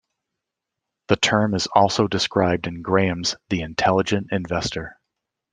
The term is also described in Graham's "The Intelligent Investor".